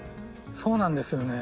そうなんですよね。